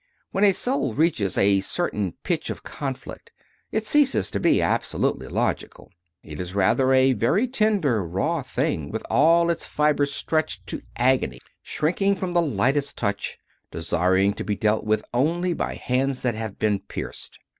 When a soul reaches a certain pitch of conflict, it ceases to be absolutely logical; it is rather a very tender, raw thing, with all its fibres stretched to agony, shrinking from the lightest touch, desiring to be dealt with only by Hands that have been pierced.